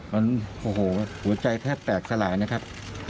มันโอ้โหหัวใจแทบแตกสลายนะครับ